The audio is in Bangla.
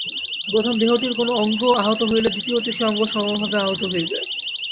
প্রথম দেহটির কোন অঙ্গ আহত হইলে দ্বিতীয়টিরও সেই অঙ্গ সমভাবে আহত হইবে।